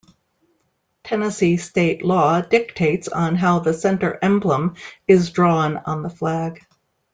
Tennessee state law dictates on how the center emblem is drawn on the flag.